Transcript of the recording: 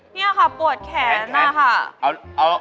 เนี่ยค่ะปวดแขนหน้าค่ะ